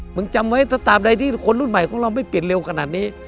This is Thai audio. จำไว้ถ้าตามใดที่คนรุ่นใหม่ของเราไม่เปลี่ยนเร็วขนาดนี้